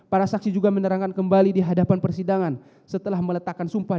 para saksi juga menerangkan kembali terhadap keterangan yang telah diberikan di bap